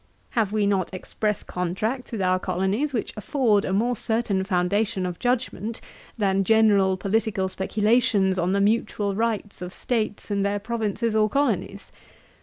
Have we not express contracts with our colonies, which afford a more certain foundation of judgement, than general political speculations on the mutual rights of States and their provinces or colonies?